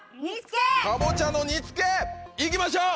かぼちゃの煮つけ行きましょう。